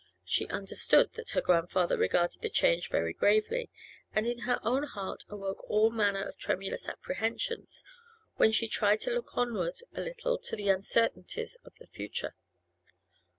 She understood that her grandfather regarded the change very gravely, and in her own heart awoke all manner of tremulous apprehensions when she tried to look onward a little to the uncertainties of the future.